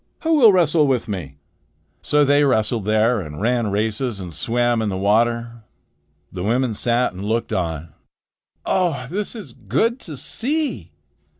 Who will wrestle with me?" So they wrestled there and ran races and swam in the water. The women sat and looked on. "Oh, this is good to see!"